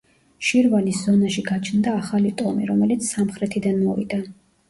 შირვანის ზონაში გაჩნდა ახალი ტომი, რომელიც სამხრეთიდან მოვიდა.